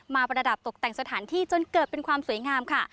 ประดับตกแต่งสถานที่จนเกิดเป็นความสวยงามค่ะ